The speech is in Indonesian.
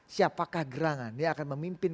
siapakah gerangan dia akan memimpin